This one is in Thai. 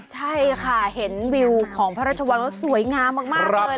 ใช่ค่ะเห็นวิวของพระราชวังแล้วสวยงามมากเลย